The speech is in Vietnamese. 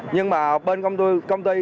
nhưng mà bên công ty